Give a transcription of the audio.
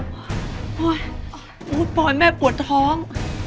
ปลอยแม่ปวดท้อง